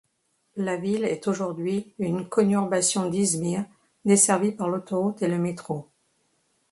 La ville est aujourd'hui une conurbation d'Izmir, desservie par l'autoroute et le métro.